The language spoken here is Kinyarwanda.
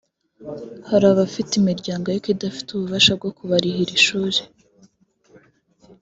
hari abafite imiryango ariko idafite ububasha bwo kubarihira ishuri